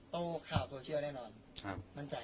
ข่าวโซเชียลแน่นอนมั่นใจ